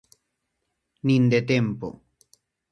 Nin de tempo.